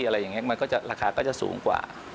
ราคาก็จะสูงกว่า